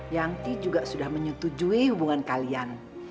yangti juga sudah menyetujui hubungan kalian